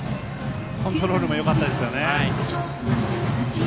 コントロールもよかったです。